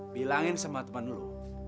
bilangin sama teman lu